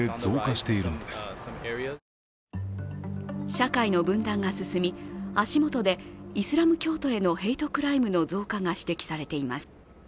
社会の分断が進み、足元でイスラム教徒へのヘイトクライムの増加が指摘されています。